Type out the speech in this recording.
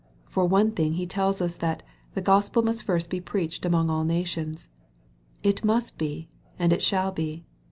For one thing He tells us that " the Gospel must first be preached among all nations." It must be, and it shall be.